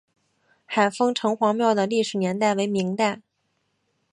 海丰城隍庙的历史年代为明代。